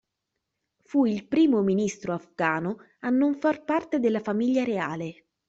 Fu il primo Ministro afghano a non far parte della famiglia reale.